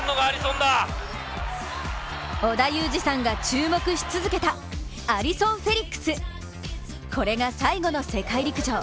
織田裕二さんが注目し続けたアリソン・フェリックスこれが最後の世界陸上。